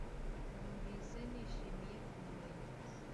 Numvise nishimiye kumumenya